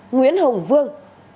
nguyễn hồng vương